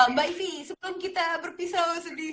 mbak ivi sebelum kita berpisau sedih